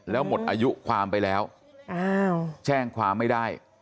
แล้วหมดอายุความไปแล้วแจ้งความไม่ได้